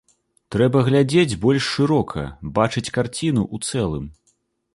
Трэба глядзець больш шырока, бачыць карціну ў цэлым.